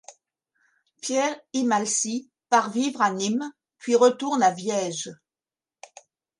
Pierre Imhalsy part vivre à Nîmes puis retourne à Viège.